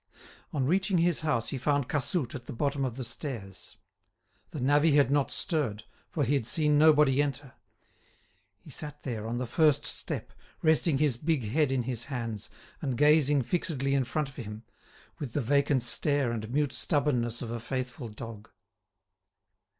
On reaching his house he found Cassoute at the bottom of the stairs. The navvy had not stirred, for he had seen nobody enter. He sat there, on the first step, resting his big head in his hands, and gazing fixedly in front of him, with the vacant stare and mute stubbornness of a faithful dog.